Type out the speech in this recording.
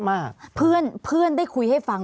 ภารกิจสรรค์ภารกิจสรรค์